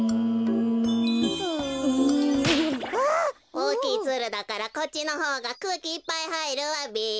おおきいツルだからこっちのほうがくうきいっぱいはいるわべ。